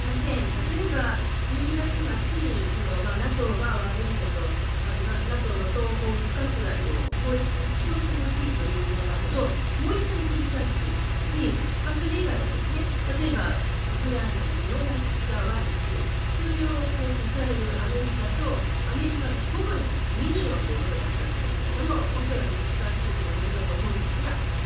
例えば１２月末にＮＡＴＯが悪いんだと、ＮＡＴＯの東方不拡大を法的に補償してほしいというようなことをもう一回繰り返していましたし、それ以外も例えばウクライナのネオナチが悪く、それを支えるアメリカとアメリカの子分たちという言葉を使っていました。